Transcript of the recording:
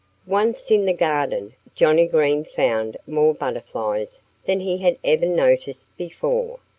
Once in the garden, Johnnie Green found more butterflies than he had ever noticed before.